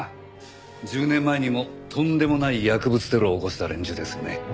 １０年前にもとんでもない薬物テロを起こした連中ですよね。